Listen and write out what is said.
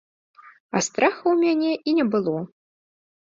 А страха ў мяне і не было.